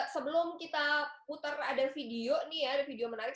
sebelum kita putar ada video nih ya ada video menarik